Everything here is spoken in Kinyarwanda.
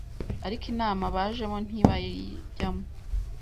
ariko inama bajemo ntibayijyamo